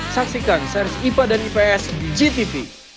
saksikan sers ipa dan ips di gtv